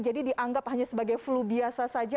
jadi dianggap hanya sebagai flu biasa saja